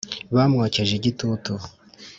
bamwokeje igitutu